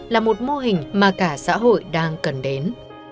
là một mô hình mà cả xã hội đang cần đến